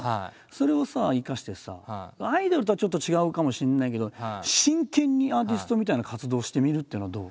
それをさ生かしてさアイドルとはちょっと違うかもしれないけど真剣にアーティストみたいな活動をしてみるっていうのはどう？